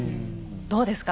どうですか？